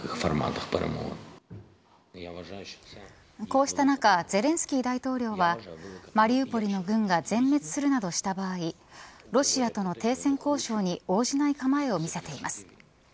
こうした中ゼレンスキー大統領はマリウポリの軍が全滅するなどした場合ロシアとの停戦交渉に応じない構えを見せています。